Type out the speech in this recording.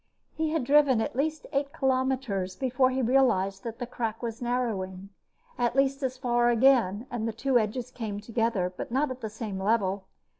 He had driven at least eight kilometers before he realized that the crack was narrowing. At least as far again, the two edges came together, but not at the same level.